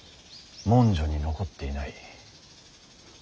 文書に残っていない。